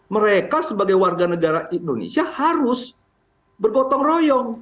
mereka sebagai warga negara indonesia harus bergotong royong